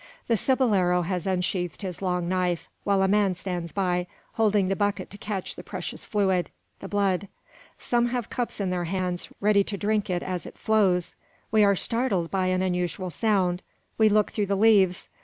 The cibolero has unsheathed his long knife, while a man stands by, holding the bucket to catch the precious fluid: the blood. Some have cups in their hands, ready to drink it as it flows! We were startled by an unusual sound. We look through the leaves.